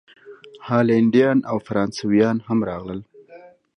هالینډیان او فرانسویان هم راغلل.